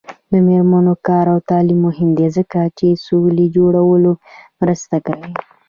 د میرمنو کار او تعلیم مهم دی ځکه چې سولې جوړولو مرسته کوي.